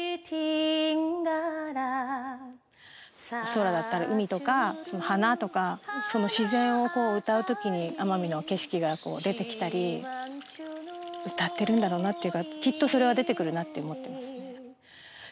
空だったり海とか花とかその自然を歌うときに奄美の景色が出てきたり歌ってるんだろうなっていうかきっとそれは出てくるなって思ってますね。